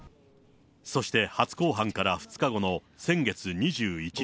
そして初公判から２日後の先月２１日。